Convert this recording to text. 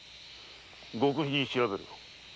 極秘に調べる。